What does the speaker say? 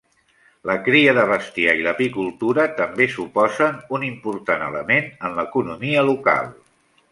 La cria de bestiar i l'apicultura també suposen un important element en l'economia local.